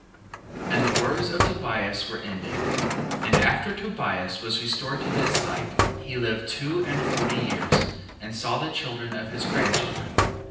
14:1. And the words of Tobias were ended. And after Tobias was restored to his sight, he lived two and forty years, and saw the children of his grandchildren.